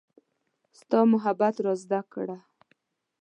ستا محبت را زده کړه